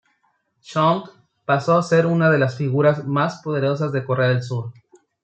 Chung pasó a ser una de las figuras más poderosas de Corea del Sur.